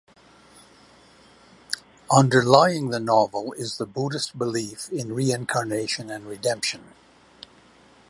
Underlying the novel is the Buddhist belief in reincarnation and redemption.